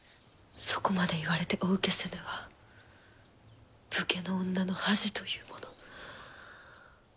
そこまで言われてお受けせぬは武家の女の恥というもの。